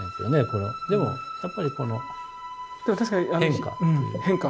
でもやっぱりこの変化。